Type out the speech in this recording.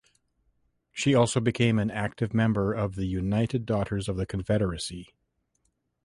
She also became an active member of the United Daughters of the Confederacy.